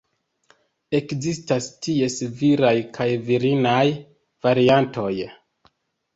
Ekzistas ties viraj kaj virinaj variantoj.